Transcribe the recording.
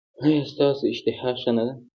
ایا ستاسو اشتها ښه نه ده؟